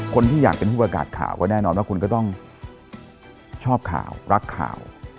คนที่อยากเป็นผู้ประกาศข่าวก็แน่นอนว่าคุณก็ต้องชอบข่าวรักข่าว